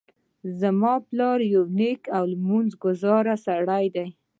زما پلار یو نیک او لمونځ ګذاره سړی ده